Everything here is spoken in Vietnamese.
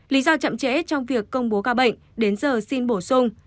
lý do chậm trễ trong việc công bố ca bệnh đến giờ xin bổ sung